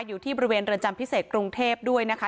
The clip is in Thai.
อยู่ที่บริเวณเรือนจำพิเศษกรุงเทพด้วยนะคะ